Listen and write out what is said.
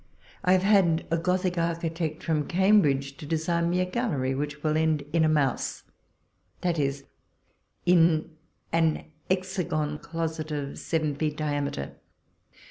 I have had a Gothic architect from Cambridge to design me a gallery, which will end in a mouse, that is, in an hexagon closet of seven feet diameter.